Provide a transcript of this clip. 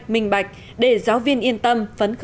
minh bạch để giáo viên yên tâm